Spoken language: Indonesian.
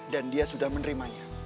dan dia sudah menerimanya